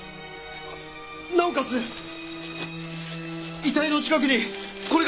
なおかつ遺体の近くにこれが。